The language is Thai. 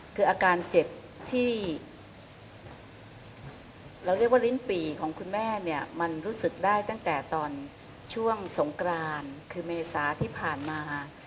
คืออาการเจ็บที่เราเรียกว่าลิ้นปี่ของคุณแม่เนี่ยมันรู้สึกได้ตั้งแต่ตอนช่วงสงกรานคือเมษาที่ผ่านมา